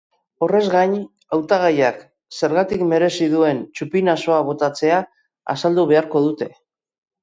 Horrez gain, hautagaiak zergatik merezi duen txupinazoa botatzea azaldu beharko dute.